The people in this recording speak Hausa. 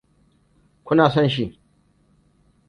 Kuna son shi.